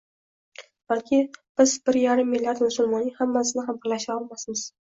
Balki biz bir yarim milliard musulmonning hammasini ham birlashtira olmasmiz